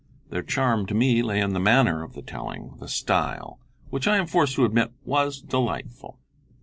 Their charm to me lay in the manner of the telling, the style, which I am forced to admit was delightful.